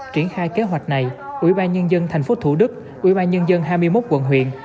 triển khai kế hoạch này ủy ban nhân dân tp thủ đức ủy ban nhân dân hai mươi một quận huyện